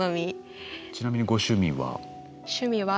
ちなみにご趣味は？